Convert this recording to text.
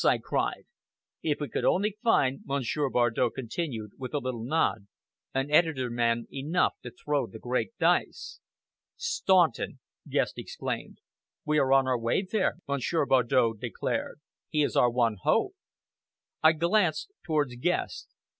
I cried. "If we can only find," Monsieur Bardow continued, with a little nod, "an editor man enough to throw the great dice!" "Staunton!" Guest exclaimed. "We are on our way there," Monsieur Bardow declared. "He is our one hope!" I glanced towards Guest.